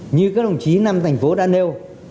như các đồng chí năm thành phố đã nêu